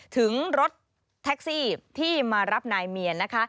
ถึงรถแท็กซี่ที่มารับนายเมียนนะคะ